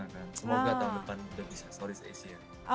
oh enggak tahun depan udah bisa sauris asia